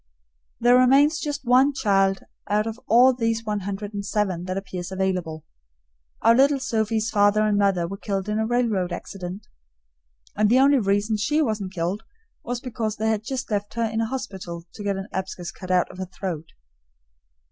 There remains just one child out of all these one hundred and seven that appears available. Our little Sophie's father and mother were killed in a railroad accident, and the only reason she wasn't killed was because they had just left her in a hospital to get an abscess cut out of her throat.